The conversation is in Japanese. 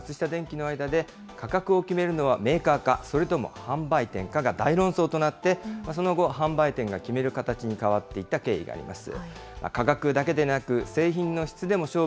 実は１９６０年代、当時の流通大手、ダイエーと当時の松下電器の間で、価格を決めるのはメーカーか、それとも販売店かが大論争となって、その後、販売店が決める形に変わっていった経緯があります。